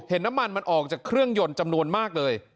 น้ำมันมันออกจากเครื่องยนต์จำนวนมากเลย